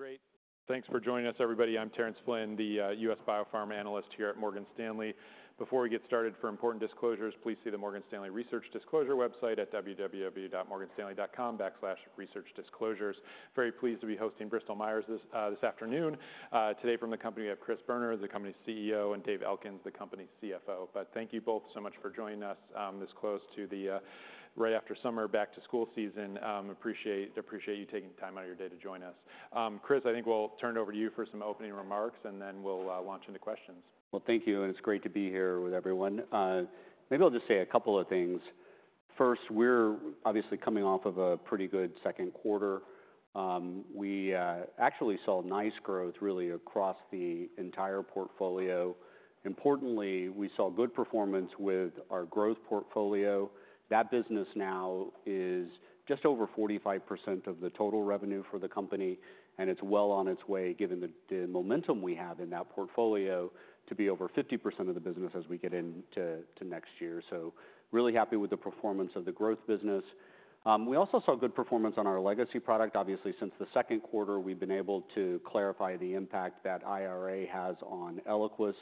Okay, great. Thanks for joining us, everybody. I'm Terence Flynn, the U.S. Biopharm Analyst here at Morgan Stanley. Before we get started, for important disclosures, please see the Morgan Stanley Research Disclosure website at www.morganstanley.com/researchdisclosures. Very pleased to be hosting Bristol Myers this afternoon. Today from the company, we have Chris Boerner, the company's CEO, and Dave Elkins, the company's CFO. But thank you both so much for joining us this close to the right after summer, back to school season. Appreciate you taking time out of your day to join us. Chris, I think we'll turn it over to you for some opening remarks, and then we'll launch into questions. Thank you, and it's great to be here with everyone. Maybe I'll just say a couple of things. First, we're obviously coming off of a pretty good second quarter. We actually saw nice growth really across the entire portfolio. Importantly, we saw good performance with our growth portfolio. That business now is just over 45% of the total revenue for the company, and it's well on its way, given the momentum we have in that portfolio, to be over 50% of the business as we get into next year. So really happy with the performance of the growth business. We also saw good performance on our legacy product. Obviously, since the second quarter, we've been able to clarify the impact that IRA has on ELIQUIS.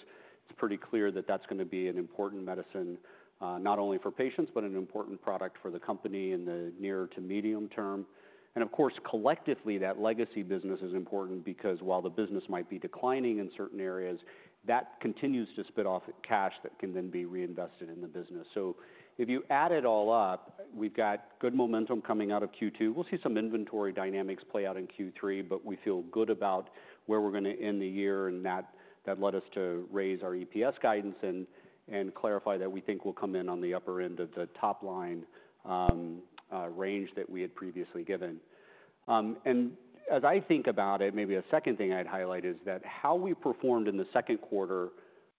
It's pretty clear that that's gonna be an important medicine, not only for patients, but an important product for the company in the near to medium term. And of course, collectively, that legacy business is important because while the business might be declining in certain areas, that continues to spit off cash that can then be reinvested in the business. So if you add it all up, we've got good momentum coming out of Q2. We'll see some inventory dynamics play out in Q3, but we feel good about where we're gonna end the year, and that led us to raise our EPS guidance and clarify that we think we'll come in on the upper end of the top line range that we had previously given. And as I think about it, maybe a second thing I'd highlight is that how we performed in the second quarter,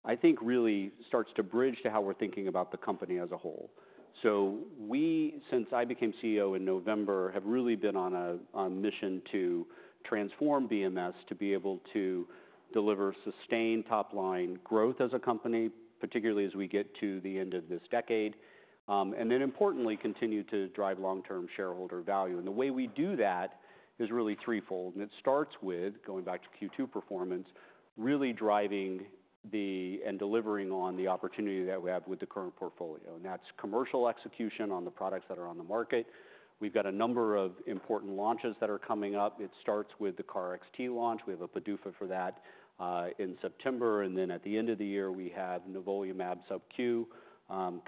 I think really starts to bridge to how we're thinking about the company as a whole. So we, since I became CEO in November, have really been on a mission to transform BMS to be able to deliver sustained top-line growth as a company, particularly as we get to the end of this decade, and then importantly continue to drive long-term shareholder value. And the way we do that is really threefold, and it starts with going back to Q2 performance, really driving and delivering on the opportunity that we have with the current portfolio, and that's commercial execution on the products that are on the market. We've got a number of important launches that are coming up. It starts with the KarXT launch. We have a PDUFA for that in September, and then at the end of the year, we have nivolumab subQ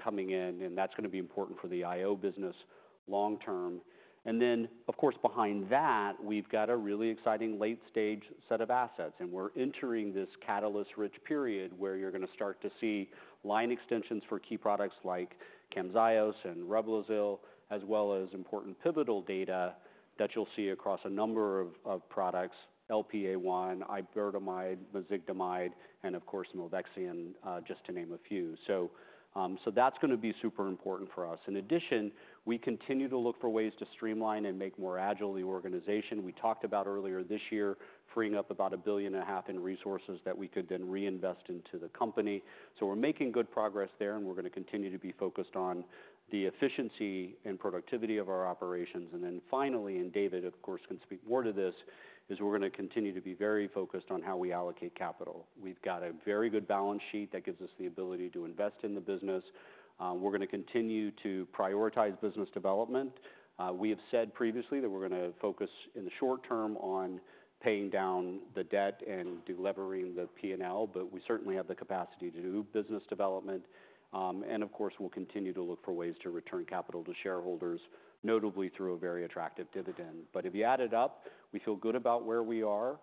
coming in, and that's gonna be important for the IO business long term. And then, of course, behind that, we've got a really exciting late-stage set of assets, and we're entering this catalyst-rich period, where you're gonna start to see line extensions for key products like CAMZYOS and REBLOZYL, as well as important pivotal data that you'll see across a number of products, LPA1, iberdomide, mezigdomide, and of course, milvexian, just to name a few. So that's gonna be super important for us. In addition, we continue to look for ways to streamline and make more agile the organization. We talked about earlier this year, freeing up about $1.5 billion in resources that we could then reinvest into the company, so we're making good progress there, and we're gonna continue to be focused on the efficiency and productivity of our operations, and then finally, and David, of course, can speak more to this, is we're gonna continue to be very focused on how we allocate capital. We've got a very good balance sheet that gives us the ability to invest in the business. We're gonna continue to prioritize business development. We have said previously that we're gonna focus in the short term on paying down the debt and delivering the P&L, but we certainly have the capacity to do business development, and of course, we'll continue to look for ways to return capital to shareholders, notably through a very attractive dividend. But if you add it up, we feel good about where we are.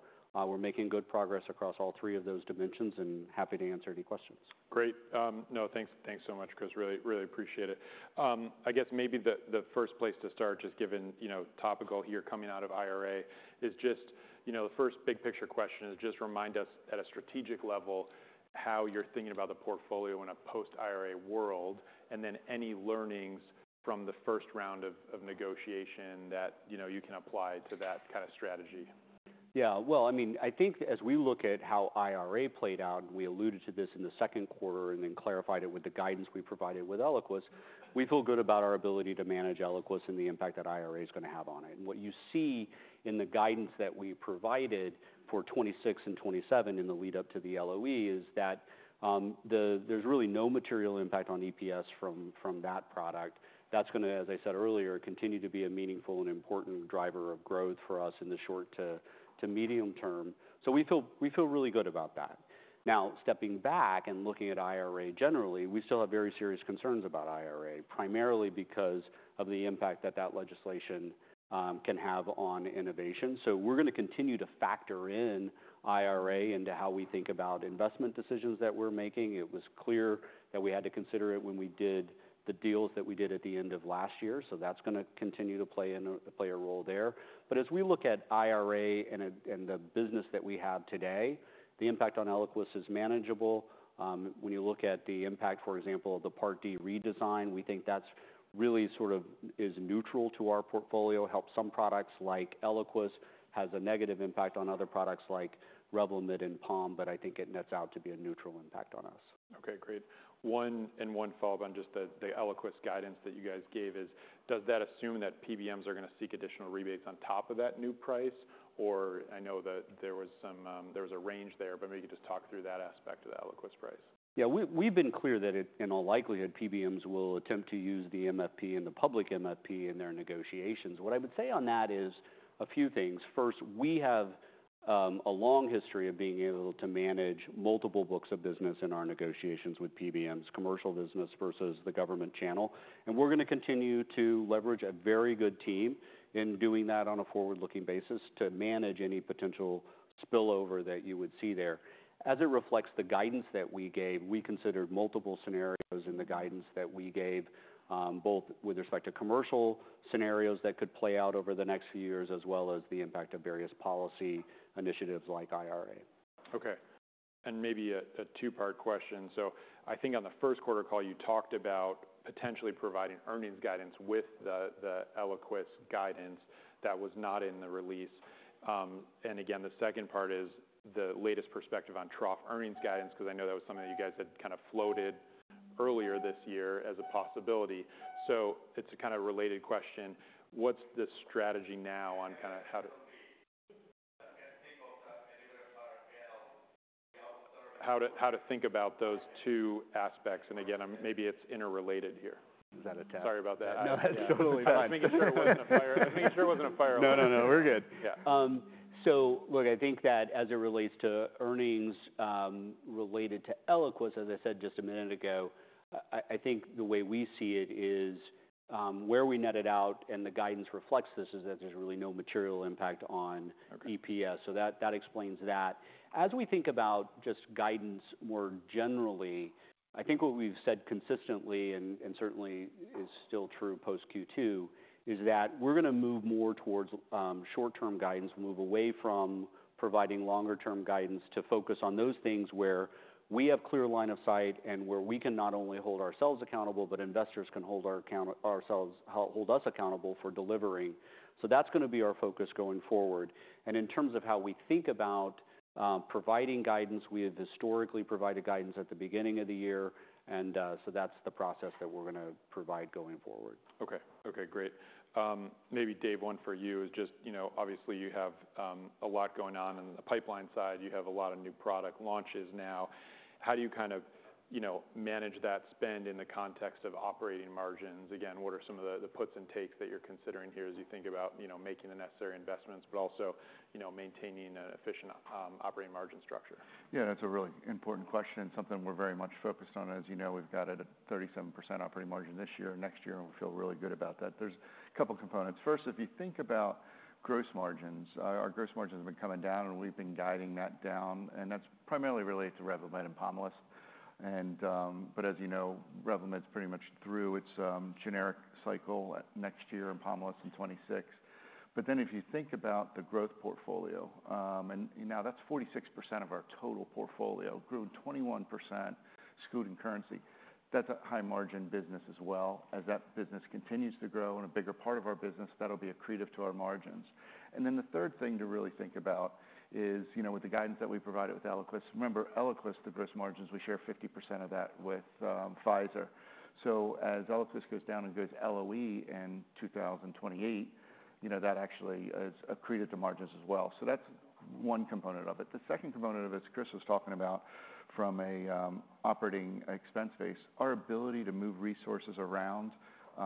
We're making good progress across all three of those dimensions and happy to answer any questions. Great. No, thanks, thanks so much, Chris. Really, really appreciate it. I guess maybe the first place to start, just given, you know, topical here coming out of IRA, is just, you know, the first big picture question is just remind us at a strategic level, how you're thinking about the portfolio in a post-IRA world, and then any learnings from the first round of negotiation that, you know, you can apply to that kind of strategy. Yeah, well, I mean, I think as we look at how IRA played out, and we alluded to this in the second quarter and then clarified it with the guidance we provided with ELIQUIS, we feel good about our ability to manage ELIQUIS and the impact that IRA is gonna have on it. And what you see in the guidance that we provided for 2026 and 2027 in the lead-up to the LOE is that there's really no material impact on EPS from that product. That's gonna, as I said earlier, continue to be a meaningful and important driver of growth for us in the short to medium term. So we feel, we feel really good about that. Now, stepping back and looking at IRA generally, we still have very serious concerns about IRA, primarily because of the impact that that legislation can have on innovation. So we're gonna continue to factor in IRA into how we think about investment decisions that we're making. It was clear that we had to consider it when we did the deals that we did at the end of last year, so that's gonna continue to play a role there. But as we look at IRA and the business that we have today, the impact on ELIQUIS is manageable. When you look at the impact, for example, of the Part D redesign, we think that's really sort of is neutral to our portfolio, helps some products like ELIQUIS, has a negative impact on other products like REVLIMID and POMALYST, but I think it nets out to be a neutral impact on us. Okay, great. One follow-up on just the ELIQUIS guidance that you guys gave is, does that assume that PBMs are gonna seek additional rebates on top of that new price? Or I know that there was a range there, but maybe you could just talk through that aspect of the ELIQUIS price. Yeah. We, we've been clear that it... in all likelihood, PBMs will attempt to use the MFP and the public MFP in their negotiations. What I would say on that is a few things. First, we have a long history of being able to manage multiple books of business in our negotiations with PBMs, commercial business versus the government channel. And we're gonna continue to leverage a very good team in doing that on a forward-looking basis to manage any potential spillover that you would see there. As it reflects the guidance that we gave, we considered multiple scenarios in the guidance that we gave, both with respect to commercial scenarios that could play out over the next few years, as well as the impact of various policy initiatives like IRA. Okay. And maybe a two-part question. So I think on the first quarter call, you talked about potentially providing earnings guidance with the ELIQUIS guidance that was not in the release. And again, the second part is the latest perspective on trough earnings guidance, because I know that was something that you guys had kind of floated earlier this year as a possibility. So it's a kind of related question. What's the strategy now on kind of how to think about those two aspects? And again, maybe it's interrelated here. Is that a tap? Sorry about that. No, that's totally fine. I was making sure it wasn't a fire. No, no, no, we're good. Yeah. So look, I think that as it relates to earnings related to ELIQUIS, as I said just a minute ago, I think the way we see it is, where we netted out and the guidance reflects this, is that there's really no material impact on- Okay.... EPS. So that, that explains that. As we think about just guidance more generally, I think what we've said consistently, and certainly is still true post Q2, is that we're going to move more towards short-term guidance, move away from providing longer term guidance to focus on those things where we have clear line of sight and where we can not only hold ourselves accountable, but investors can hold us accountable for delivering. So that's going to be our focus going forward. And in terms of how we think about providing guidance, we have historically provided guidance at the beginning of the year, and so that's the process that we're going to provide going forward. Okay. Okay, great. Maybe Dave, one for you is just, you know, obviously you have a lot going on in the pipeline side. You have a lot of new product launches now. How do you kind of, you know, manage that spend in the context of operating margins? Again, what are some of the puts and takes that you're considering here as you think about, you know, making the necessary investments but also, you know, maintaining an efficient operating margin structure? Yeah, that's a really important question and something we're very much focused on. As you know, we've got it at 37% operating margin this year and next year, and we feel really good about that. There's a couple components. First, if you think about gross margins, our, our gross margins have been coming down and we've been guiding that down, and that's primarily related to REVLIMID and POMALYST. But as you know, REVLIMID is pretty much through its generic cycle next year, and POMALYST in 2026. But then if you think about the growth portfolio, and now that's 46% of our total portfolio, grew 21%, excluding currency. That's a high margin business as well. As that business continues to grow and a bigger part of our business, that'll be accretive to our margins. And then the third thing to really think about is, you know, with the guidance that we provided with ELIQUIS, remember ELIQUIS, the gross margins, we share 50% of that with Pfizer. So as ELIQUIS goes down and goes LOE in 2028, you know, that actually is accreted to margins as well. So that's one component of it. The second component of it is, Chris was talking about from a operating expense base, our ability to move resources around,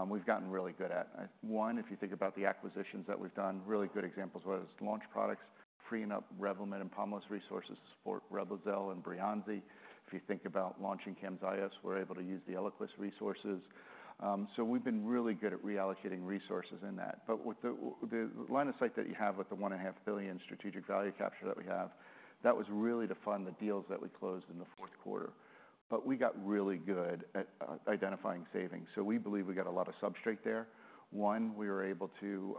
we've gotten really good at. One, if you think about the acquisitions that we've done, really good examples, whether it's launch products, freeing up REVLIMID and POMALYST resources to support REBLOZYL and BREYANZI. If you think about launching CAMZYOS, we're able to use the ELIQUIS resources. So we've been really good at reallocating resources in that. But with the line of sight that you have with the $1.5 billion strategic value capture that we have, that was really to fund the deals that we closed in the fourth quarter. But we got really good at identifying savings, so we believe we got a lot of substrate there. One, we were able to,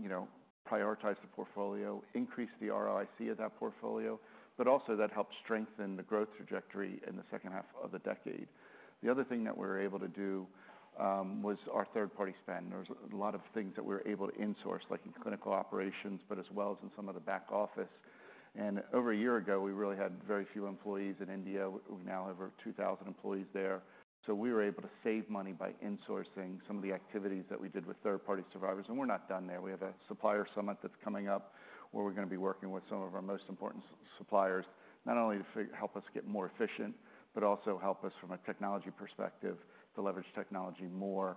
you know, prioritize the portfolio, increase the ROIC of that portfolio, but also that helped strengthen the growth trajectory in the second half of the decade. The other thing that we were able to do was our third-party spend. There's a lot of things that we were able to insource, like in clinical operations, but as well as in some of the back office. And over a year ago, we really had very few employees in India. We now have over 2,000 employees there. So we were able to save money by insourcing some of the activities that we did with third-party service providers, and we're not done there. We have a supplier summit that's coming up, where we're going to be working with some of our most important suppliers. Not only to help us get more efficient, but also help us from a technology perspective, to leverage technology more,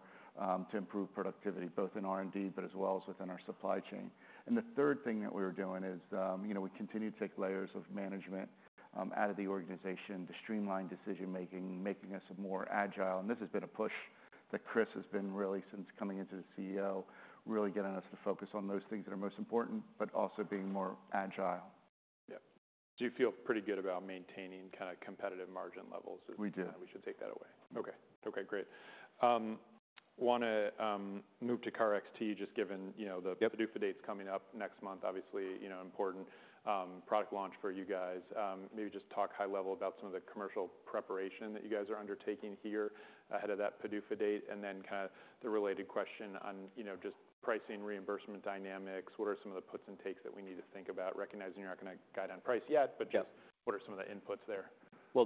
to improve productivity, both in R&D, but as well as within our supply chain. And the third thing that we are doing is, you know, we continue to take layers of management, out of the organization to streamline decision-making, making us more agile. And this has been a push that Chris has been really since coming into the CEO, really getting us to focus on those things that are most important, but also being more agile. Yeah. Do you feel pretty good about maintaining competitive margin levels? We do. We should take that away. Okay. Okay, great. Want to move to KarXT, just given, you know, the- Yeah.... PDUFA dates coming up next month. Obviously, you know, important product launch for you guys. Maybe just talk high level about some of the commercial preparation that you guys are undertaking here ahead of that PDUFA date. And then kind of the related question on, you know, just pricing, reimbursement dynamics. What are some of the puts and takes that we need to think about, recognizing you're not going to guide on price yet- Yeah.... but just what are some of the inputs there?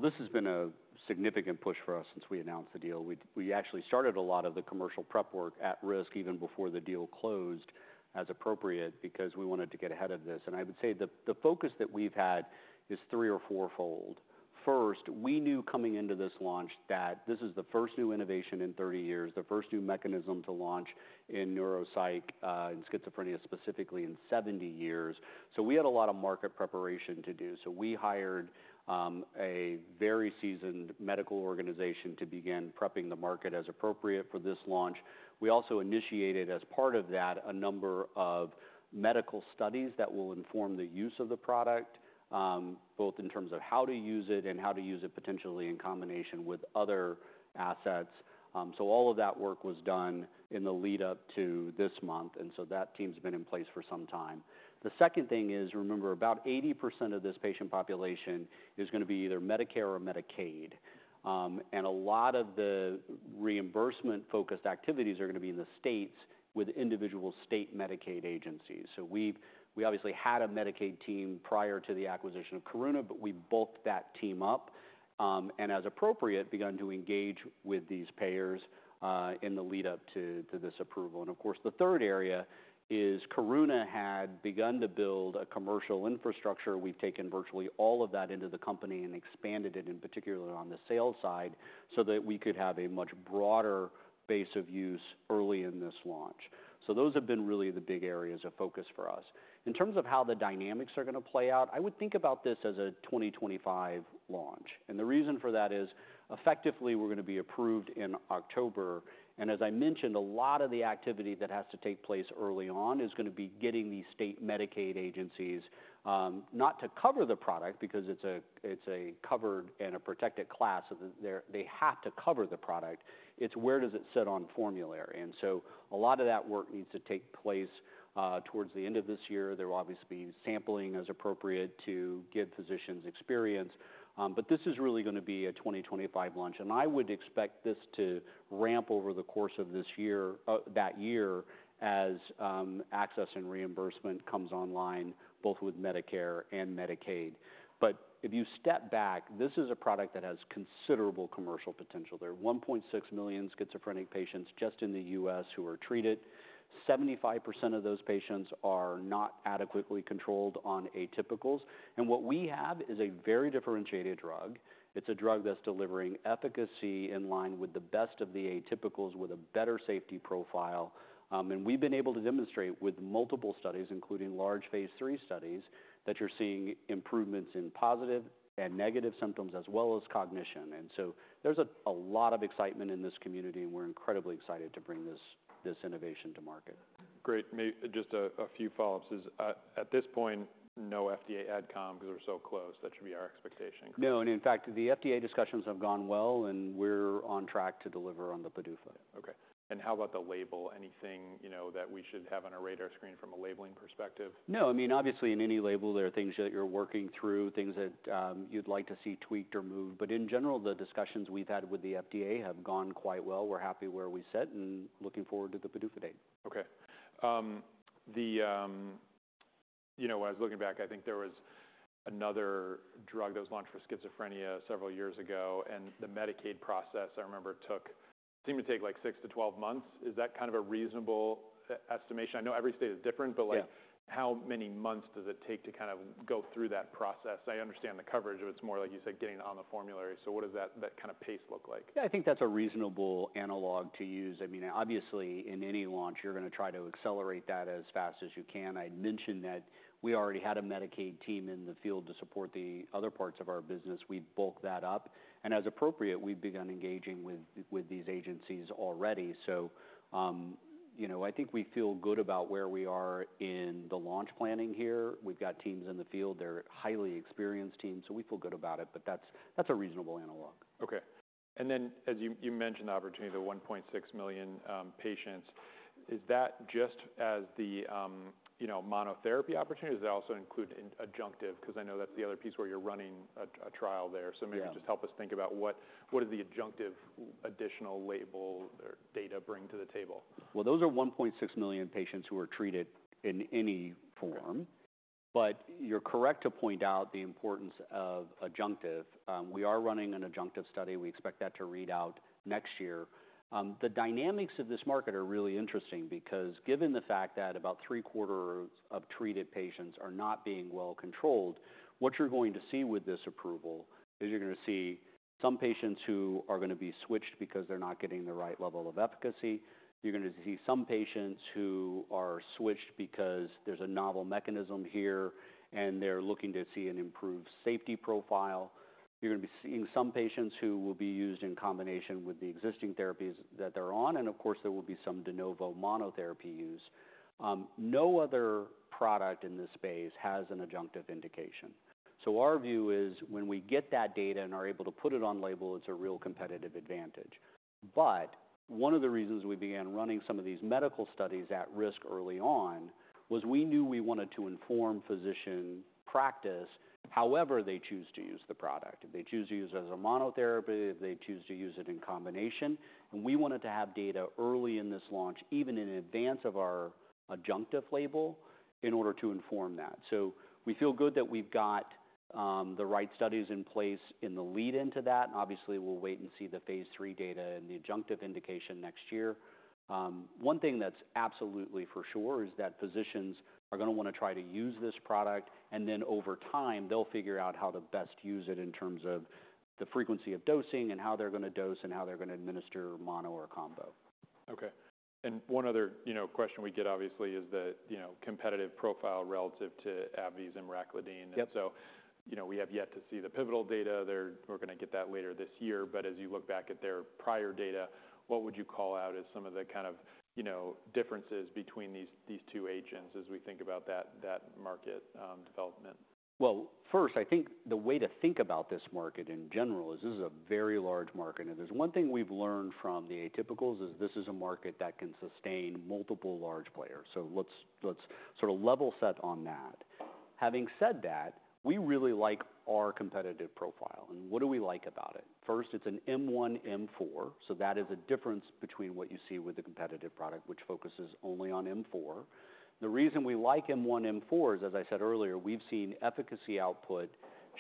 This has been a significant push for us since we announced the deal. We actually started a lot of the commercial prep work at risk, even before the deal closed, as appropriate, because we wanted to get ahead of this. I would say the focus that we've had is three or fourfold. First, we knew coming into this launch that this is the first new innovation in thirty years, the first new mechanism to launch in neuropsych in schizophrenia, specifically in 70 years. We had a lot of market preparation to do. We hired a very seasoned medical organization to begin prepping the market as appropriate for this launch. We also initiated, as part of that, a number of medical studies that will inform the use of the product, both in terms of how to use it and how to use it potentially in combination with other assets. So all of that work was done in the lead-up to this month, and so that team's been in place for some time. The second thing is, remember, about 80% of this patient population is going to be either Medicare or Medicaid. And a lot of the reimbursement-focused activities are going to be in the States with individual state Medicaid agencies. So we've obviously had a Medicaid team prior to the acquisition of Karuna, but we bulked that team up, and as appropriate, begun to engage with these payers in the lead-up to this approval. And of course, the third area is Karuna had begun to build a commercial infrastructure. We've taken virtually all of that into the company and expanded it, in particular, on the sales side, so that we could have a much broader base of use early in this launch. So those have been really the big areas of focus for us. In terms of how the dynamics are going to play out, I would think about this as a 2025 launch, and the reason for that is effectively, we're going to be approved in October. And as I mentioned, a lot of the activity that has to take place early on is going to be getting these state Medicaid agencies not to cover the product because it's a covered and protected class, so they have to cover the product. It's where does it sit on formulary? And so a lot of that work needs to take place towards the end of this year. There will obviously be sampling as appropriate to give physicians experience, but this is really going to be a 2025 launch, and I would expect this to ramp over the course of this year, that year, as access and reimbursement comes online, both with Medicare and Medicaid. But if you step back, this is a product that has considerable commercial potential. There are 1.6 million schizophrenic patients just in the U.S. who are treated. 75% of those patients are not adequately controlled on atypicals, and what we have is a very differentiated drug. It's a drug that's delivering efficacy in line with the best of the atypicals, with a better safety profile. And we've been able to demonstrate with multiple studies, including large phase 3 studies, that you're seeing improvements in positive and negative symptoms as well as cognition. And so there's a lot of excitement in this community, and we're incredibly excited to bring this innovation to market. Great. Just a few follow-ups is, at this point, no FDA ad com because we're so close. That should be our expectation. No, and in fact, the FDA discussions have gone well, and we're on track to deliver on the PDUFA. Okay, and how about the label? Anything, you know, that we should have on our radar screen from a labeling perspective? No. I mean, obviously in any label, there are things that you're working through, things that you'd like to see tweaked or moved. But in general, the discussions we've had with the FDA have gone quite well. We're happy where we sit and looking forward to the PDUFA date. Okay. You know, when I was looking back, I think there was another drug that was launched for schizophrenia several years ago, and the Medicaid process, I remember, took... Seemed to take, like, six to 12 months. Is that kind of a reasonable estimation? I know every state is different. Yeah. But, like, how many months does it take to kind of go through that process? I understand the coverage. It's more, like you said, getting it on the formulary. So what does that kind of pace look like? Yeah, I think that's a reasonable analog to use. I mean, obviously, in any launch, you're going to try to accelerate that as fast as you can. I'd mentioned that we already had a Medicaid team in the field to support the other parts of our business. We bulked that up, and as appropriate, we've begun engaging with these agencies already. So, you know, I think we feel good about where we are in the launch planning here. We've got teams in the field. They're a highly experienced team, so we feel good about it, but that's a reasonable analog. Okay. And then, as you mentioned the opportunity, the 1.6 million patients, is that just the monotherapy opportunity, or does that also include adjunctive? Because I know that's the other piece where you're running a trial there. Yeah. So maybe just help us think about what are the adjunctive additional label or data bring to the table? Those are 1.6 million patients who are treated in any form. Okay. But you're correct to point out the importance of adjunctive. We are running an adjunctive study. We expect that to read out next year. The dynamics of this market are really interesting because given the fact that about three-quarters of treated patients are not being well controlled, what you're going to see with this approval is you're going to see some patients who are going to be switched because they're not getting the right level of efficacy. You're going to see some patients who are switched because there's a novel mechanism here, and they're looking to see an improved safety profile. You're going to be seeing some patients who will be used in combination with the existing therapies that they're on, and of course, there will be some de novo monotherapy use. No other product in this space has an adjunctive indication. So our view is when we get that data and are able to put it on label, it's a real competitive advantage. But one of the reasons we began running some of these medical studies at risk early on, was we knew we wanted to inform physician practice, however they choose to use the product. If they choose to use it as a monotherapy, if they choose to use it in combination, and we wanted to have data early in this launch, even in advance of our adjunctive label, in order to inform that. So we feel good that we've got the right studies in place in the lead into that, and obviously, we'll wait and see the phase three data and the adjunctive indication next year. One thing that's absolutely for sure is that physicians are going to want to try to use this product, and then over time, they'll figure out how to best use it in terms of the frequency of dosing and how they're going to dose and how they're going to administer mono or combo. Okay, and one other, you know, question we get, obviously, is the, you know, competitive profile relative to AbbVie's emraclidine. Yep. You know, we have yet to see the pivotal data there. We're going to get that later this year, but as you look back at their prior data, what would you call out as some of the kind of, you know, differences between these two agents as we think about that market development? First, I think the way to think about this market, in general, is this is a very large market. If there's one thing we've learned from the atypicals, is this is a market that can sustain multiple large players. Let's sort of level set on that.... Having said that, we really like our competitive profile. What do we like about it? First, it's an M1/M4, so that is a difference between what you see with the competitive product, which focuses only on M4. The reason we like M1/M4 is, as I said earlier, we've seen efficacy output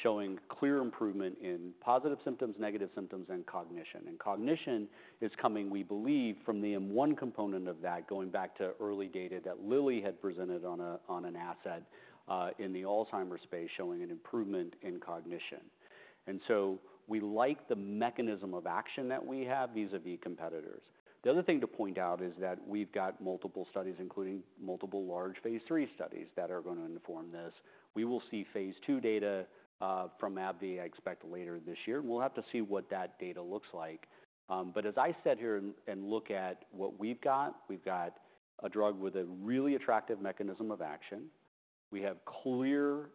showing clear improvement in positive symptoms, negative symptoms, and cognition. And cognition is coming, we believe, from the M1 component of that, going back to early data that Lilly had presented on an asset in the Alzheimer's space, showing an improvement in cognition. And so we like the mechanism of action that we have vis-à-vis competitors. The other thing to point out is that we've got multiple studies, including multiple large phase three studies, that are going to inform this. We will see phase two data from AbbVie, I expect later this year. We'll have to see what that data looks like. But as I sit here and look at what we've got, we've got a drug with a really attractive mechanism of action. We have clear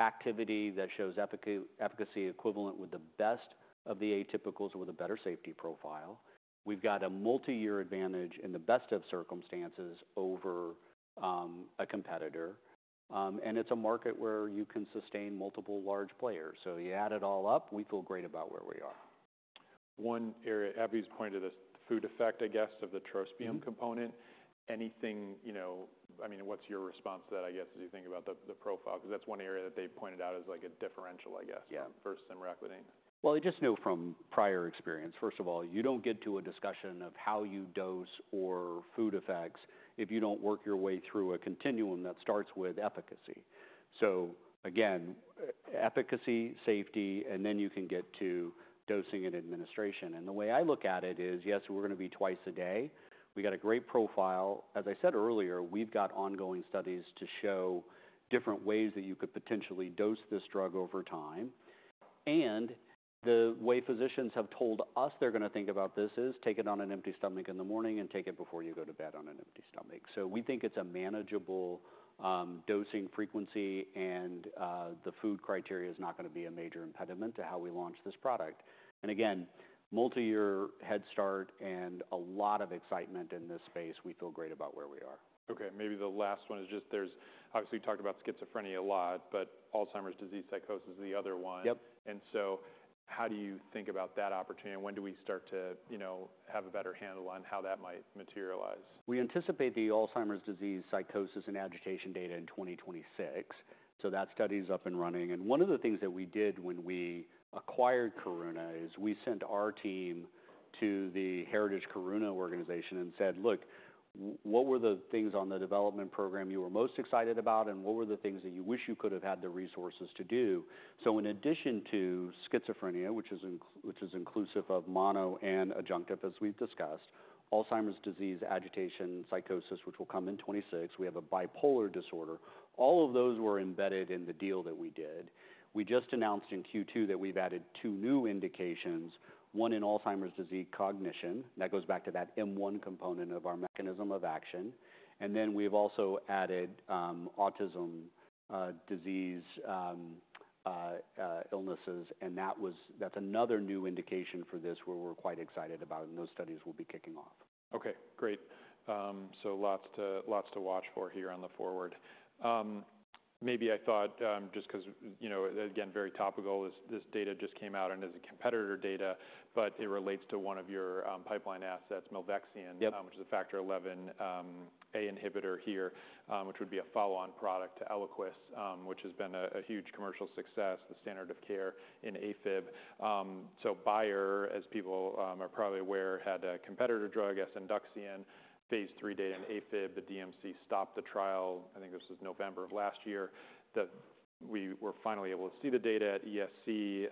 activity that shows efficacy equivalent with the best of the atypicals with a better safety profile. We've got a multi-year advantage in the best of circumstances over a competitor, and it's a market where you can sustain multiple large players, so you add it all up, we feel great about where we are. One area, AbbVie's pointed this food effect, I guess, of the trospium. Mm-hmm. -component. Anything, you know... I mean, what's your response to that, I guess, as you think about the, the profile? Because that's one area that they pointed out as, like, a differential, I guess- Yeah. First, emraclidine. Well, I just know from prior experience, first of all, you don't get to a discussion of how you dose or food effects if you don't work your way through a continuum that starts with efficacy. So again, efficacy, safety, and then you can get to dosing and administration. And the way I look at it is, yes, we're gonna be twice a day. We got a great profile. As I said earlier, we've got ongoing studies to show different ways that you could potentially dose this drug over time. And the way physicians have told us they're gonna think about this is, take it on an empty stomach in the morning and take it before you go to bed on an empty stomach. So we think it's a manageable, dosing frequency, and, the food criteria is not gonna be a major impediment to how we launch this product. And again, multi-year head start and a lot of excitement in this space. We feel great about where we are. Okay, maybe the last one is just there's obviously, we've talked about schizophrenia a lot, but Alzheimer's disease psychosis is the other one. Yep. How do you think about that opportunity, and when do we start to, you know, have a better handle on how that might materialize? We anticipate the Alzheimer's disease, psychosis, and agitation data in twenty twenty-six. So that study is up and running. And one of the things that we did when we acquired Karuna is we sent our team to the heritage Karuna organization and said, "Look, what were the things on the development program you were most excited about, and what were the things that you wish you could have had the resources to do?" So in addition to schizophrenia, which is inclusive of mono and adjunctive, as we've discussed, Alzheimer's disease, agitation, psychosis, which will come in 2026. We have a bipolar disorder. All of those were embedded in the deal that we did. We just announced in Q2 that we've added two new indications, one in Alzheimer's disease, cognition. That goes back to that M1 component of our mechanism of action. And then we've also added autism disease illnesses, and that was, that's another new indication for this, where we're quite excited about, and those studies will be kicking off. Okay, great. So lots to watch for here on the forward. Maybe I thought just 'cause, you know, again, very topical, this data just came out and as a competitor data, but it relates to one of your pipeline assets, milvexian- Yep. Which is a Factor XIa inhibitor here, which would be a follow-on product to ELIQUIS, which has been a huge commercial success, the standard of care in AFib. So Bayer, as people are probably aware, had a competitor drug, asundexian, phase III data in AFib, but DMC stopped the trial. I think this was November of last year, that we were finally able to see the data at ESC.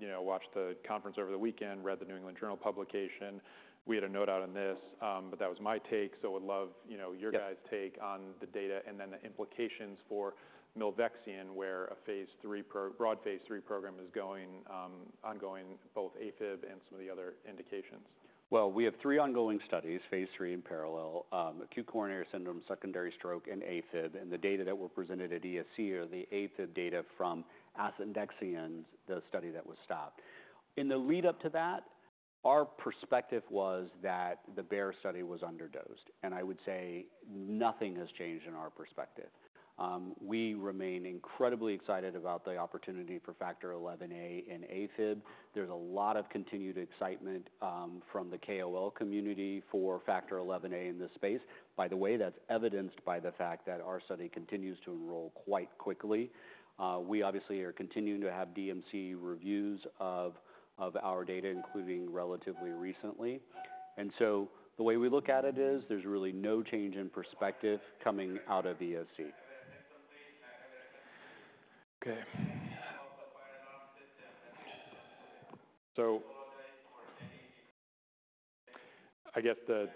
You know, watched the conference over the weekend, read the New England Journal publication. We had a note out on this, but that was my take. So would love, you know, your guys'- Yep. Take on the data and then the implications for milvexian, where a broad phase three program is going, ongoing, both AFib and some of the other indications. We have three ongoing studies, phase III in parallel: acute coronary syndrome, secondary stroke, and AFib. The data that were presented at ESC are the AFib data from asundexian, the study that was stopped. In the lead up to that, our perspective was that the Bayer study was underdosed, and I would say nothing has changed in our perspective. We remain incredibly excited about the opportunity for Factor XIa in AFib. There's a lot of continued excitement from the KOL community for Factor XIa in this space. By the way, that's evidenced by the fact that our study continues to enroll quite quickly. We obviously are continuing to have DMC reviews of our data, including relatively recently, so the way we look at it is, there's really no change in perspective coming out of ESC. Okay. So I guess they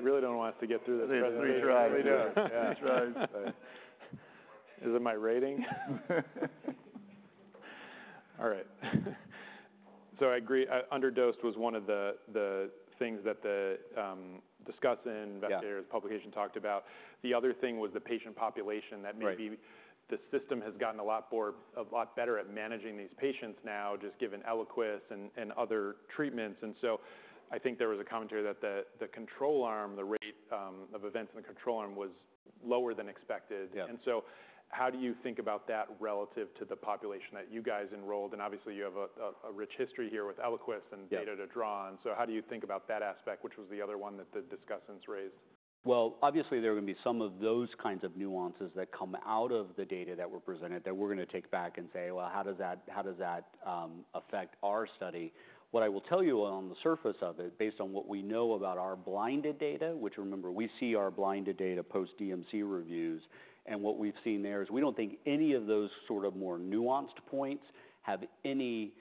really don't want us to get through this presentation. They really don't. Is it my rating? All right. So I agree, underdose was one of the things that the discussant- Yeah. Investigators' publication talked about. The other thing was the patient population. Right. That maybe the system has gotten a lot more, a lot better at managing these patients now, just given ELIQUIS and other treatments. And so I think there was a commentary that the control arm, the rate of events in the control arm was lower than expected. Yeah. And so how do you think about that relative to the population that you guys enrolled? And obviously, you have a rich history here with ELIQUIS. Yeah. And data to draw on. So how do you think about that aspect, which was the other one that the discussants raised? Obviously, there are going to be some of those kinds of nuances that come out of the data that were presented, that we're going to take back and say: "Well, how does that affect our study?" What I will tell you on the surface of it, based on what we know about our blinded data, which remember, we see our blinded data post-DMC reviews, and what we've seen there is we don't think any of those sort of more nuanced points have any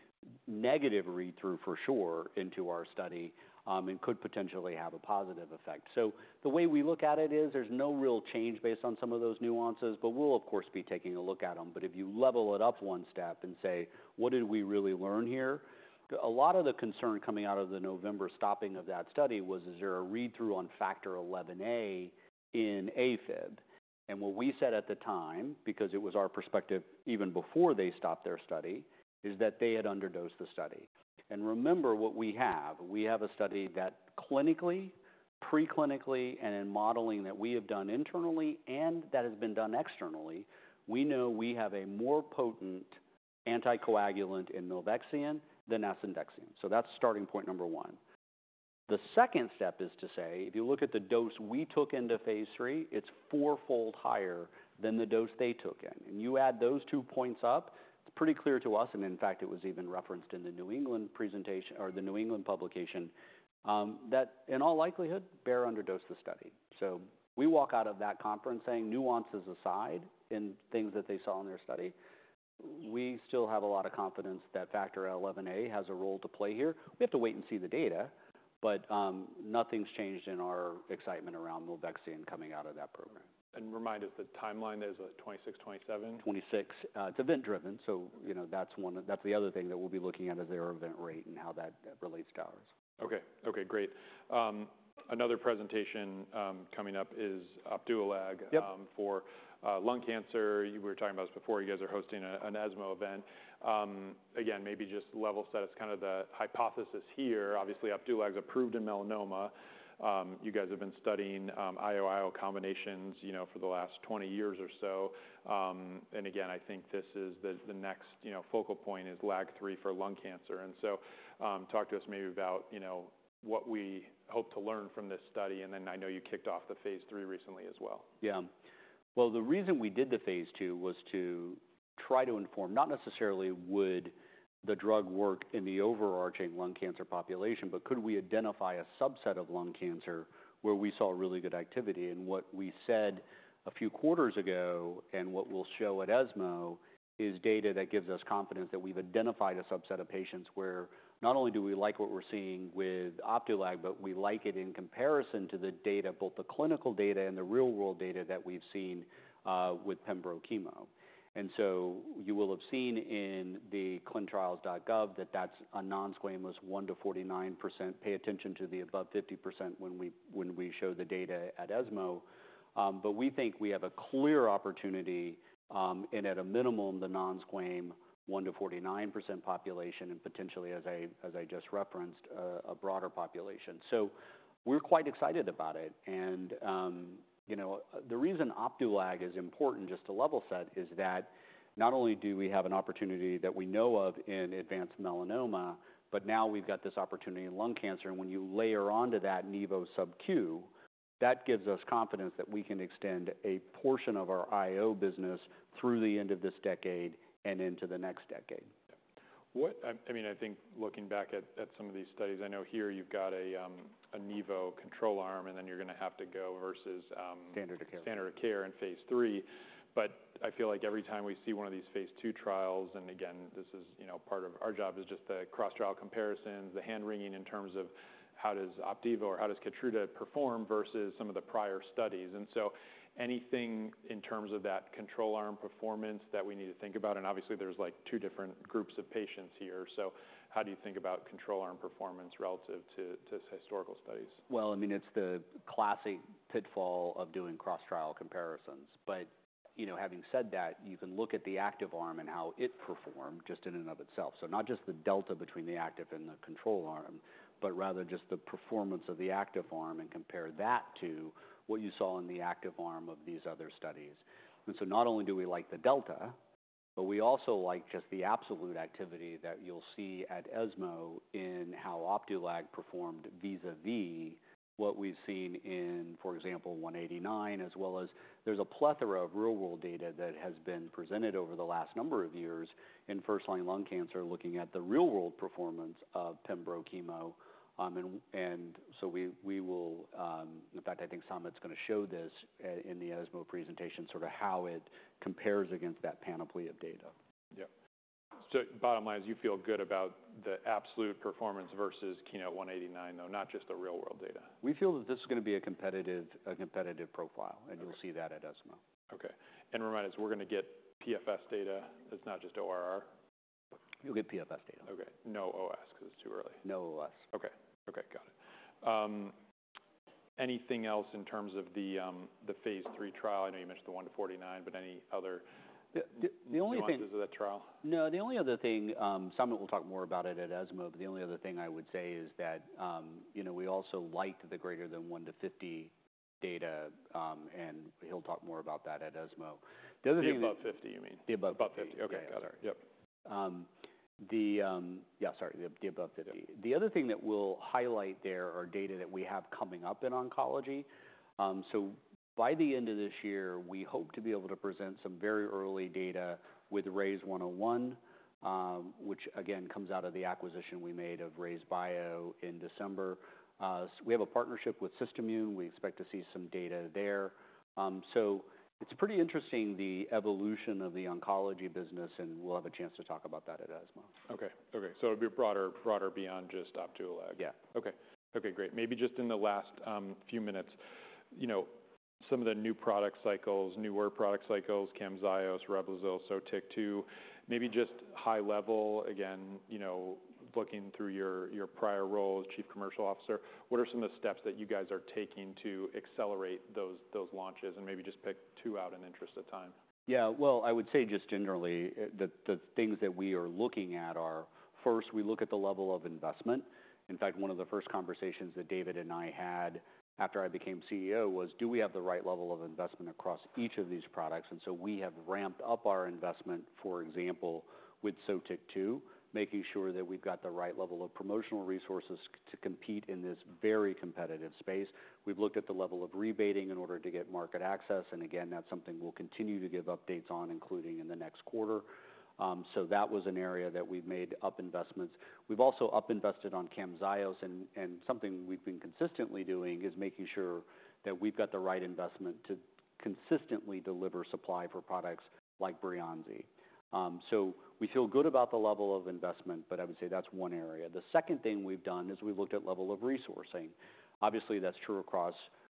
negative read-through for sure into our study, and could potentially have a positive effect. The way we look at it is there's no real change based on some of those nuances, but we'll of course be taking a look at them. But if you level it up one step and say: "What did we really learn here?" A lot of the concern coming out of the November stopping of that study was, is there a read-through on Factor XIa in AFib? And what we said at the time, because it was our perspective even before they stopped their study, is that they had underdosed the study. And remember what we have, we have a study that clinically, pre-clinically, and in modeling that we have done internally and that has been done externally, we know we have a more potent anticoagulant in milvexian than asundexian. So that's starting point number one. The second step is to say, if you look at the dose we took into phase III, it's fourfold higher than the dose they took in. You add those two points up. It's pretty clear to us, and in fact, it was even referenced in the New England presentation or the New England publication, that in all likelihood, Bayer underdosed the study. So we walk out of that conference saying, nuances aside in things that they saw in their study, we still have a lot of confidence that Factor XIa has a role to play here. We have to wait and see the data, but nothing's changed in our excitement around milvexian coming out of that program. Remind us, the timeline is what, 2026, 2027? 2026. It's event-driven, so you know, that's one, that's the other thing that we'll be looking at, is their event rate and how that relates to ours. Okay. Okay, great. Another presentation coming up is OPDUALAG- Yep.... for lung cancer. You were talking about this before. You guys are hosting an ESMO event. Again, maybe just level set. It's kind of the hypothesis here. Obviously, OPDUALAG is approved in melanoma. You guys have been studying IO combinations, you know, for the last 20 years or so. And again, I think this is the next, you know, focal point is LAG3 for lung cancer. And so, talk to us maybe about, you know, what we hope to learn from this study, and then I know you kicked off the phase III recently as well. Yeah. Well, the reason we did the phase II was to try to inform, not necessarily would the drug work in the overarching lung cancer population, but could we identify a subset of lung cancer where we saw really good activity? And what we said a few quarters ago, and what we'll show at ESMO, is data that gives us confidence that we've identified a subset of patients where not only do we like what we're seeing with OPDUALAG, but we like it in comparison to the data, both the clinical data and the real-world data that we've seen with pembro chemo. And so you will have seen in the clinicaltrials.gov that that's a non-squamous 1%-49%. Pay attention to the above 50% when we show the data at ESMO. But we think we have a clear opportunity, and at a minimum, the non-squamous 1%-49% population, and potentially, as I just referenced, a broader population. So we're quite excited about it. And, you know, the reason OPDUALAG is important, just to level set, is that not only do we have an opportunity that we know of in advanced melanoma, but now we've got this opportunity in lung cancer. And when you layer onto that nivo subQ, that gives us confidence that we can extend a portion of our IO business through the end of this decade and into the next decade. Yeah. I mean, I think looking back at some of these studies, I know here you've got a nivo control arm, and then you're going to have to go versus, Standard of care.... standard of care in phase III. But I feel like every time we see one of these phase II trials, and again, this is, you know, part of our job is just the cross-trial comparisons, the handwringing in terms of how does OPDIVO or how does KEYTRUDA perform versus some of the prior studies. And so anything in terms of that control arm performance that we need to think about? And obviously, there's, like, two different groups of patients here, so how do you think about control arm performance relative to historical studies? I mean, it's the classic pitfall of doing cross-trial comparisons. You know, having said that, you can look at the active arm and how it performed just in and of itself. Not just the delta between the active and the control arm, but rather just the performance of the active arm and compare that to what you saw in the active arm of these other studies. Not only do we like the delta, but we also like just the absolute activity that you'll see at ESMO in how OPDUALAG performed vis-à-vis what we've seen in, for example, 189, as well as there's a plethora of real-world data that has been presented over the last number of years in first-line lung cancer, looking at the real-world performance of pembro chemo, and so we will... In fact, I think Samit's going to show this at, in the ESMO presentation, sort of how it compares against that panoply of data. Yeah. So bottom line is you feel good about the absolute performance versus KEYNOTE-189, though, not just the real-world data? We feel that this is going to be a competitive profile- Okay. And you'll see that at ESMO. Okay. And remind us, we're going to get PFS data. It's not just ORR? You'll get PFS data. Okay. No OS, 'cause it's too early? No OS. Okay. Okay, got it. Anything else in terms of the phase III trial? I know you mentioned the 1-49, but any other- The only other- Points of that trial? No, the only other thing, Samit will talk more about it at ESMO, but the only other thing I would say is that, you know, we also liked the greater than 1-50 data, and he'll talk more about that at ESMO. The other thing- The above 50, you mean? The above 50. Above 50. Okay. Yeah. Got it. Yep. Yeah, sorry, the above 50. Yep. The other thing that we'll highlight, there are data that we have coming up in oncology. So by the end of this year, we hope to be able to present some very early data with RYZ101, which again, comes out of the acquisition we made of RayzeBio in December. We have a partnership with SystImmune. We expect to see some data there. So it's pretty interesting, the evolution of the oncology business, and we'll have a chance to talk about that at ESMO. Okay, so it'll be broader beyond just OPDUALAG. Yeah. Okay. Okay, great. Maybe just in the last few minutes, you know, some of the new product cycles, newer product cycles, CAMZYOS, REBLOZYL, SOTYKTU, maybe just high level again, you know, looking through your prior role as Chief Commercial Officer, what are some of the steps that you guys are taking to accelerate those launches, and maybe just pick two out in the interest of time? Yeah. Well, I would say just generally, the things that we are looking at are, first, we look at the level of investment. In fact, one of the first conversations that David and I had after I became CEO was, do we have the right level of investment across each of these products? And so we have ramped up our investment, for example, with SOTYKTU, making sure that we've got the right level of promotional resources to compete in this very competitive space. We've looked at the level of rebating in order to get market access, and again, that's something we'll continue to give updates on, including in the next quarter. So that was an area that we've made up investments. We've also up invested on CAMZYOS, and something we've been consistently doing is making sure that we've got the right investment to consistently deliver supply for products like BREYANZI. So we feel good about the level of investment, but I would say that's one area. The second thing we've done is we've looked at level of resourcing. Obviously, that's true across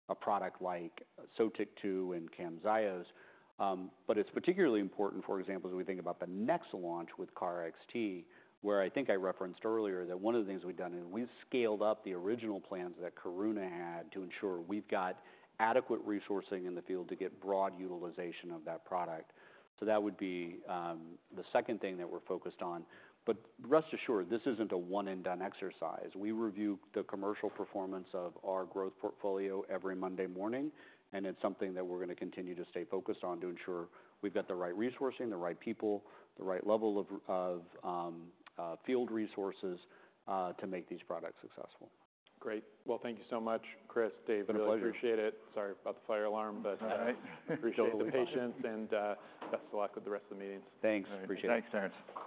a product like SOTYKTU and CAMZYOS. But it's particularly important, for example, as we think about the next launch with KarXT, where I think I referenced earlier that one of the things we've done is we've scaled up the original plans that Karuna had to ensure we've got adequate resourcing in the field to get broad utilization of that product. So that would be the second thing that we're focused on. But rest assured, this isn't a one and done exercise. We review the commercial performance of our growth portfolio every Monday morning, and it's something that we're gonna continue to stay focused on to ensure we've got the right resourcing, the right people, the right level of field resources, to make these products successful. Great! Well, thank you so much, Chris, Dave. It's been a pleasure. I appreciate it. Sorry about the fire alarm, but- All right. Appreciate the patience, and best of luck with the rest of the meetings. Thanks. Appreciate it. Thanks, Terence.